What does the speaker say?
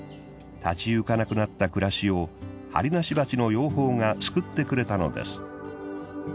立ち行かなくなった暮らしをハリナシバチの養蜂が救ってくれたのです。